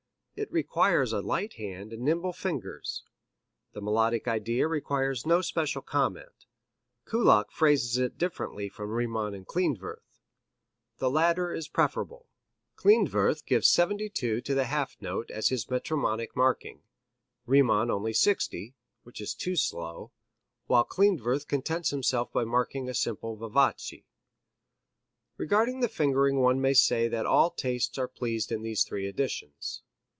It requires a light hand and nimble fingers. The melodic idea requires no special comment. Kullak phrases it differently from Riemann and Klindworth. The latter is the preferable. Klindworth gives 72 to the half note as his metronomic marking, Riemann only 60 which is too slow while Klindworth contents himself by marking a simple Vivace. Regarding the fingering one may say that all tastes are pleased in these three editions.